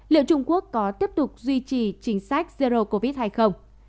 liệu trung quốc có tiếp tục duy trì chính sách zero covid hay không